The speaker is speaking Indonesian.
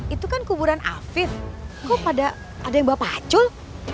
itu kan kuburan afif kok pada ada yang bawa pacul